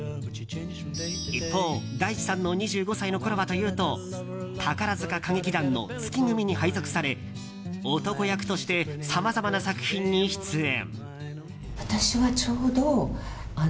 一方、大地さんの２５歳のころはというと宝塚歌劇団の月組に配属され男役としてさまざまな作品に出演。